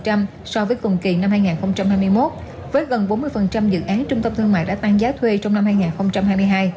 so với cùng kỳ năm hai nghìn hai mươi một với gần bốn mươi dự án trung tâm thương mại đã tăng giá thuê trong năm hai nghìn hai mươi hai